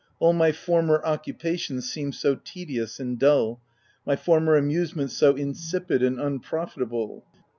All my former occupations seem so tedi ous and dull, my former amusements so insipid and unprofitable.